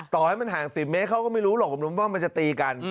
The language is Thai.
ต่อให้มันห่าง๑๐เมตรเขาก็ไม่รู้หรอกผมว่ามันจะตีกัน